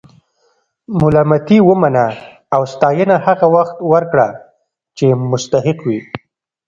ملامتي ومنه او ستاینه هغه وخت ورکړه چې مستحق وي.